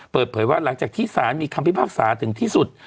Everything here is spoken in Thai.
เปิดเผยว่าหลังจากที่สารมีคำพิพากษาถึงที่สุด